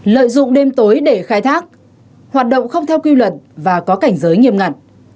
lợi dụng đêm tối để khai thác hoạt động không theo quy luật và có cảnh giới nghiêm ngặt